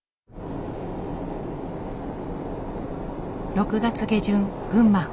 ６月下旬群馬。